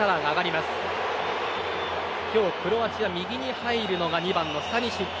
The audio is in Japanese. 今日、クロアチア右に入るのが２番、スタニシッチ。